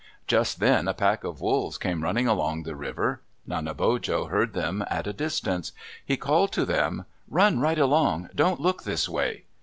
Just then a pack of wolves came running along the river. Nanebojo heard them at a distance. He called to them, "Run right along. Don't look this way."